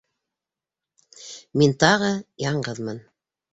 Мин тағы... яңғыҙмын.